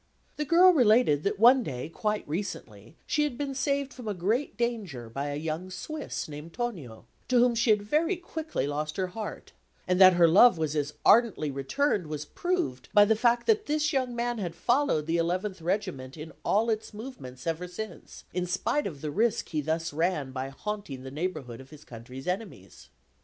The girl related that one day quite recently she had been saved from a great danger by a young Swiss named Tonio, to whom she had very quickly lost her heart; and that her love was as ardently returned was proved by the fact that this young man had followed the Eleventh Regiment in all its movements ever since, in spite of the risk he thus ran by haunting the neighbourhood of his country's enemies.